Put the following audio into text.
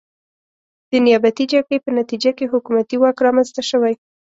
د نیابتي جګړې په نتیجه کې حکومتي واک رامنځته شوی.